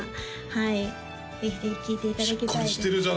はいぜひぜひ聴いていただきたいです